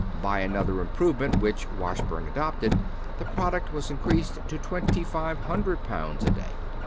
By another improvement which Washburn adopted the product was increased to twenty five hundred pounds a day.